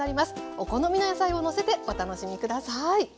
お好みの野菜をのせてお楽しみ下さい。